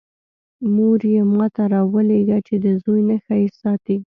مور یې ما ته راولېږه چې د زوی نښه یې ساتی.